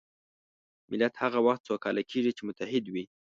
ملت هغه وخت سوکاله کېږي چې متحد وي.